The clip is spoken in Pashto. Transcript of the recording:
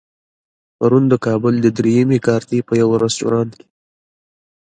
پرون د کابل د درېیمې کارتې په يوه رستورانت کې.